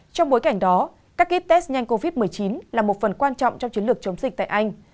trong bối cảnh đó các kit test nhanh covid một mươi chín là một phần quan trọng trong chiến lược chống dịch tại anh